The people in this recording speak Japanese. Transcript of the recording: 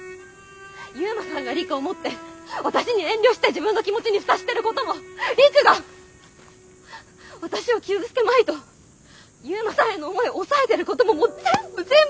悠磨さんが陸を思って私に遠慮して自分の気持ちに蓋してることも陸が私を傷つけまいと悠磨さんへの思い抑えてることももう全部全部しんどいです！